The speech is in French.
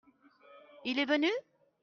Il est venu ?